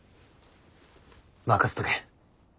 任せとけ。